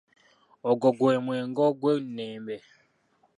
Ogwo gwe mwenge ogw'ennembe.